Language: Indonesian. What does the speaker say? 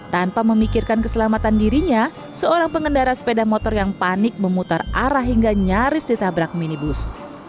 tanpa memikirkan keselamatan dirinya seorang pengendara sepeda motor yang panik memutar arah hingga nyaris ditabrak minibus